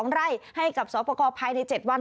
๖๘๒ไร่ให้กับสอบประกอบภายใน๗วัน